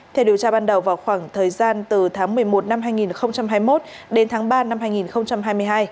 theo điều tra ban đầu vào khoảng thời gian từ tháng một mươi một năm hai nghìn hai mươi một đến tháng ba năm hai nghìn hai mươi hai